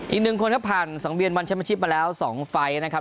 อีกหนึ่งคนผ่านสองเวียนวันเช่นประชิปมาแล้ว๒ไฟนะครับ